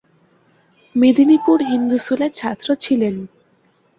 মেদিনীপুর হিন্দু স্কুলের ছাত্র ছিলেন।